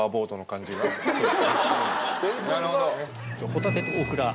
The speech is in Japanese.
ホタテとオクラ。